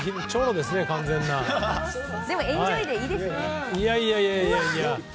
でも、エンジョイでいいですよね。